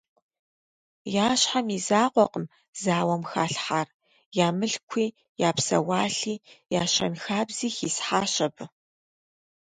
Я щхьэм и закъуэкъым зауэм халъхьар, я мылъкуи, я псэуалъи, я щэнхабзи хисхьащ абы.